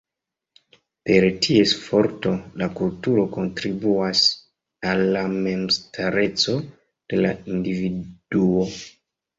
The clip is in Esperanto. Per ties forto, la kulturo kontribuas al la memstareco de la individuo.